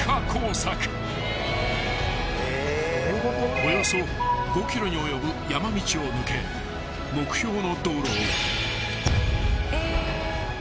［およそ５ｋｍに及ぶ山道を抜け目標の］